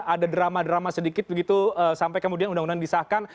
ada drama drama sedikit begitu sampai kemudian undang undang disahkan